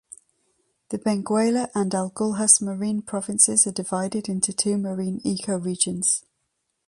The Benguela and Agulhas marine provinces are divided into two marine ecoregions.